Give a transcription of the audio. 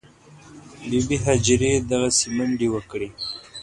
بي بي هاجرې دغسې منډې وکړې.